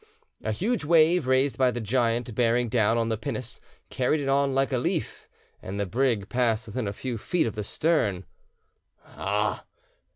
A huge wave, raised by the giant bearing down on the pinnace, carried it on like a leaf, and the brig passed within a few feet of the stern. "Ah!....